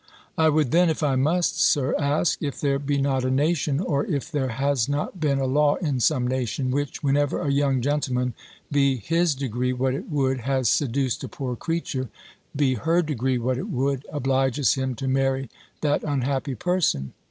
"I would then, if I must, Sir, ask, if there be not a nation, or if there has not been a law in some nation, which, whenever a young gentleman, be his degree what it would, has seduced a poor creature, be her degree what it would, obliges him to marry that unhappy person?"